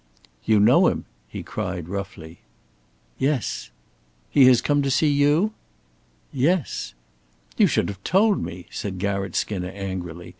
"You know him!" he cried, roughly. "Yes." "He has come to see you?" "Yes." "You should have told me," said Garratt Skinner, angrily.